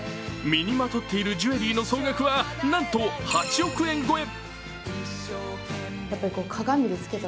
身にまとっているジュエリーの総額は、なんと８億円超え。